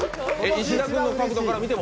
石田君の角度から見ても？